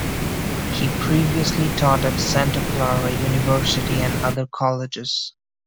He previously taught at Santa Clara University and other colleges.